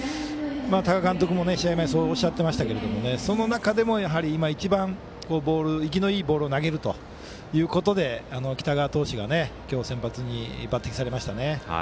多賀監督も試合前にそうおっしゃっていましたがその中でも今一番生きのいいボールを投げるということで北川投手が今日、先発に抜擢されましたね。